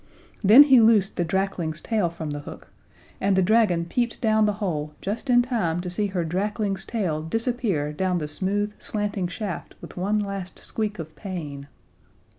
Then he loosed the drakling's tail from the hook, and the dragon peeped down the hole just in time to see her drakling's tail disappear down the smooth, slanting shaft with one last squeak of pain.